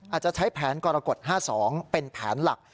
อาจจะใช้แผนกรกฎ๕๒เป็นแผนหลัก